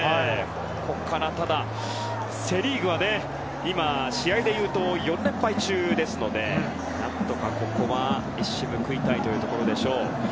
ここからセ・リーグは今、試合でいうと４連敗中ですので何とかここは一矢報いたいというところ。